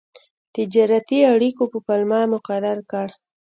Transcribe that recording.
تجارتي اړیکو په پلمه مقرر کړ.